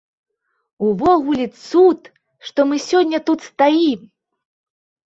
Увогуле цуд, што мы сёння тут стаім.